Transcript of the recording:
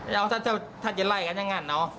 อยากจะใช้ไล่กันอย่างนั้นเอา